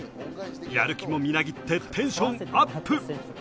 やる気もみなぎってテンションアップ。